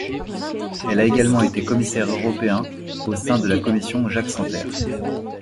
Elle a également été commissaire européen au sein de la commission Jacques Santer.